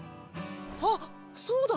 あっそうだ！